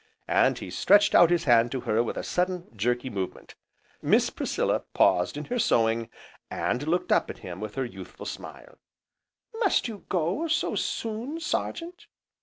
And he stretched out his hand to her with a sudden, jerky movement. Miss Priscilla paused in her sewing, and looked up at him with her youthful smile: "Must you go so soon, Sergeant?